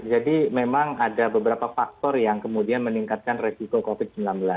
jadi memang ada beberapa faktor yang kemudian meningkatkan resiko covid sembilan belas